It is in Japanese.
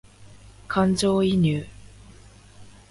感情移入